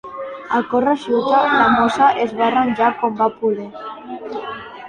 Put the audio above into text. A corre-cuita, la mossa es va arranjar com va poder